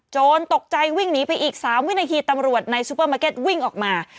ตกใจวิ่งหนีไปอีก๓วินาทีตำรวจในซูเปอร์มาร์เก็ตวิ่งออกมา